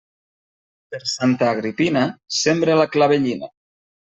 Per Santa Agripina, sembra la clavellina.